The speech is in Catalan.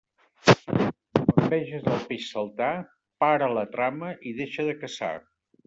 Quan veges el peix saltar, para la trama i deixa de caçar.